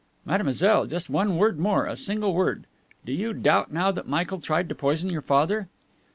"Mademoiselle, just one word more, a single word. Do you doubt now that Michael tried to poison your father?"